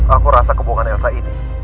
aku rasa kebohongan elsa ini